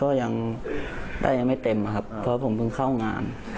ก็ยังได้ยังไม่เต็มครับเพราะผมเพิ่งเข้างาน